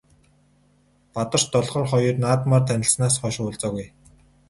Бадарч Долгор хоёр наадмаар танилцсанаас хойш уулзаагүй.